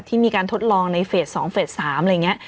ที่มีการทดลองในเฟส๒เฟส๓อะไรอย่างนี้